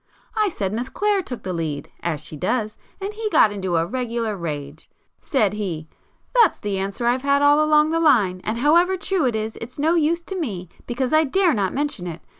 I said Miss Clare took the lead,—as she does,—and he got into a regular rage. Said he—'That's the answer I've had all along the line, and however true it is, it's no use to me because I dare not mention it.